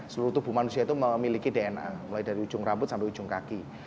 seluruh tubuh manusia itu memiliki dna mulai dari ujung rambut sampai ujung kaki